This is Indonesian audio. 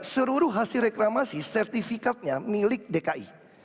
seluruh hasil reklamasi sertifikatnya milik dki